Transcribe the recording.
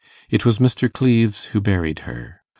It was Mr. Cleves who buried her.